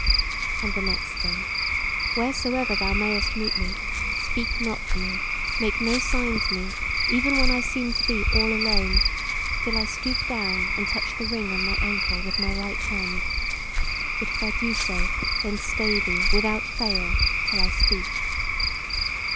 And the next thing: wheresoever thou mayst meet me, speak not to me, make no sign to me, even when I seem to be all alone, till I stoop down and touch the ring on my ankle with my right hand; but if I do so, then stay thee, without fail, till I speak.